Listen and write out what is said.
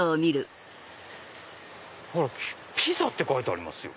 「ピザ」って書いてありますよ。